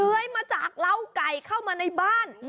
เล้ายมาจากราวไก่เข้ามาในบ้าน